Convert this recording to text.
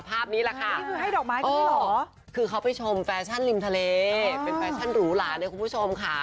ภาพนี้แหละค่ะคือเขาไปชมแฟชั่นริมทะเลเป็นแฟชั่นหรูหราในคุณผู้ชมค่ะ